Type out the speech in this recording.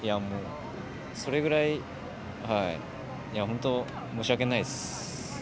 それぐらい本当、申し訳ないです。